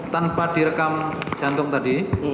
tanpa direkam jantung tadi